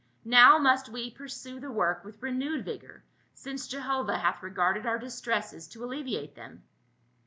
Now must we pur sue the work with renewed vigor, since Jehovah hath regarded our distresses to alleviate them."